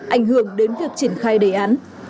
ảnh hưởng đến việc triển khai đề án